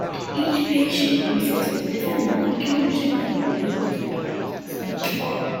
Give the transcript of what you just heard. Each patient presents with different malocclusion and will need different amount of expansion.